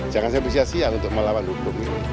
jangan sebesar siang untuk melawan hukum itu